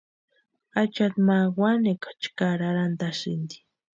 Achati ma wanekwa chʼkari arhantʼaxati.